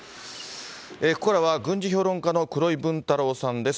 ここからは、軍事評論家の黒井文太郎さんです。